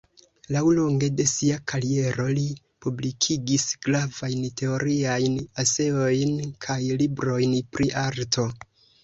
Laŭlonge de sia kariero li publikigis gravajn teoriajn eseojn kaj librojn pri arto.